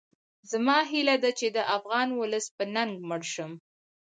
زما هیله ده چې د افغان ولس په ننګ مړ شم